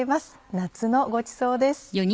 夏のごちそうです。